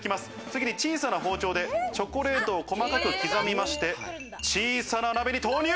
次に小さな包丁でチョコレートを細かく刻みまして、小さな鍋に投入！